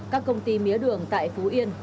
các công ty mía đường tại phú yên